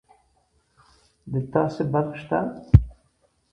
د تاسي برق شته